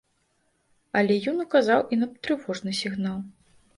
Але ён указаў і на трывожны сігнал.